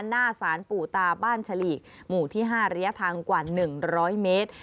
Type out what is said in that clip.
หน้าสารปู่ตาบ้านฉลีกหมู่ที่๕ระยะทางกว่า๑๐๐เมตร